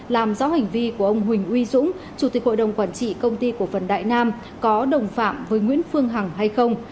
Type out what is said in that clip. làm rõ hành vi của ông huỳnh uy dũng chủ tịch hội đồng quản trị công ty cổ phần đại nam có đồng phạm với nguyễn phương hằng hay không